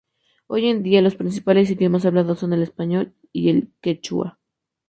Hoy en día los principales idiomas hablados son el español y el quechua.